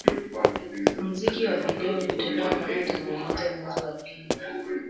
Muziki wa video ulitolewa mnamo tarehe moja mwezi wa pili